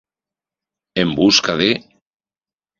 En busca de...